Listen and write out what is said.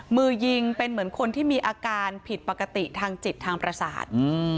มือยิงเป็นเหมือนคนที่มีอาการผิดปกติทางจิตทางประสาท